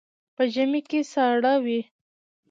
په ژمي کې ساړه وي.